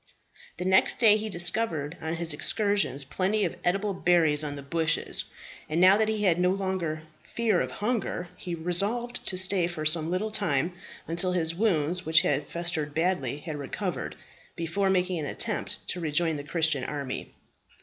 The next day he discovered on his excursions plenty of eatable berries on the bushes; and now that he had no longer fear of hunger he resolved to stay for some little time, until his wounds, which had festered badly, had recovered, before making an attempt to rejoin the Christian army.